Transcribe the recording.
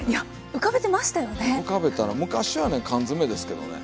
浮かべたら昔はね缶詰ですけどね。